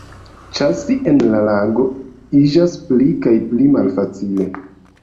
Ĉasi en la lago iĝas pli kaj pli malfacile.